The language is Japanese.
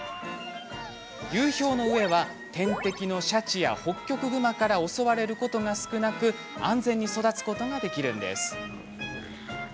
流氷の上は、天敵のシャチやホッキョクグマから襲われることが少なく安全に育つことができるんです。